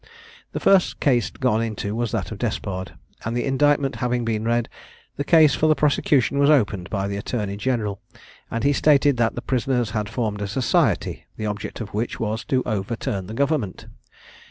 The first case gone into was that of Despard, and the indictment having been read, the case for the prosecution was opened by the attorney general; and he stated that the prisoners had formed a society, the object of which was to overturn the government.